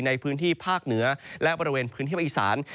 ในพื้นที่ภาคเหนือและบริเวณพื้นที่ภาคอีสาน